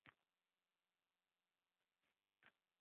Lamartin aytadiki, yozuvchilar xalq adabiyotini nazarga ilmaydilar